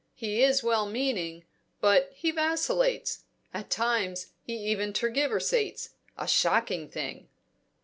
He is well meaning, but he vacillates; at times he even tergiversates a shocking thing."